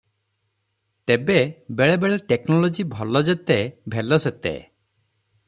ତେବେ ବେଳେବେଳେ ଟେକନୋଲୋଜି ଭଲ ଯେତେ ଭେଲ ସେତେ ।